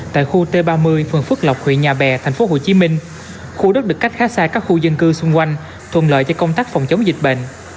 tại khu t ba mươi phường phước lộc huyện nhà bè tp hcm khu đất được cách khá xa các khu dân cư xung quanh thuận lợi cho công tác phòng chống dịch bệnh